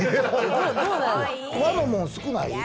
和のもの少ない？